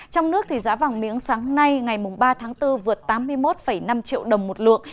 trong nước giá vàng miếng sáng nay ngày ba tháng bốn vượt tám mươi một năm triệu đồng một lượng